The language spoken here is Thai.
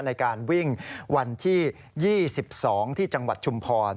ในการวิ่งวันที่๒๒ที่จังหวัดชุมพร